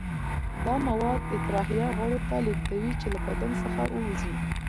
دا مواد اطراحیه غړو ته لیږدوي چې له بدن څخه ووځي.